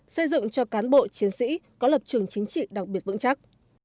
xây dựng cho cán bộ chiến sĩ có lập trường chính trị đặc biệt vững chắc